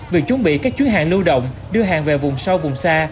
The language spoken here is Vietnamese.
việc chuẩn bị các chuyến hàng lưu động đưa hàng về vùng sâu vùng xa